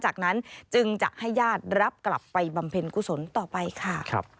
จากนั้นจึงจะให้ญาติรับกลับไปบำเพ็ญกุศลต่อไปค่ะ